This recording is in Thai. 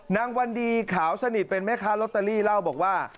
วันดีขาวสนิทเป็นแม่ค้าลอตเตอรี่เล่าบอกว่า